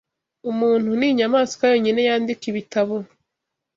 Umuntu ninyamaswa yonyine yandika ibitabo.